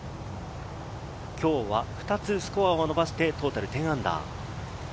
今日は２つスコアを伸ばして、トータル−１０。